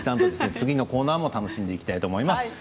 次のコーナーも楽しんでいきたいと思います。